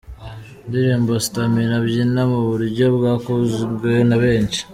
ndirimbo Stamina abyina mu buryo bwakunzwe na benshi.